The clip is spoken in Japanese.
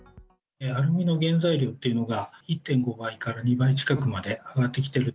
アルミの原材料っていうのが、１．５倍から２倍近くまで上がってきている。